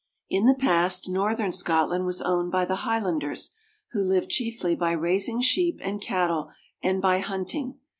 In the past, northern Scotland was owned by the Highlanders, who lived chiefly by raising sheep and cattle and by hunting.